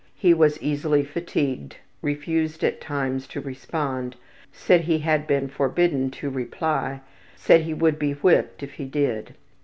He was easily fatigued, refused at times to respond, said he had been forbidden to reply, said he would be whipped if he did.